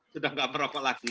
sudah tidak berokok lagi